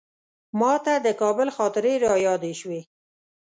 ماته د کابل خاطرې رایادې شوې.